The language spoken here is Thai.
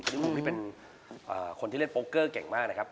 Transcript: ลูกนี่เป็นคนที่เล่นโปรเกอร์เก่งมากนะครับ